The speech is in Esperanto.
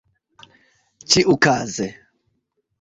ĉiukaze